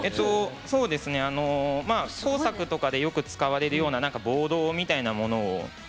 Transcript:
そうですねあの工作とかでよく使われるようなボードみたいなものを。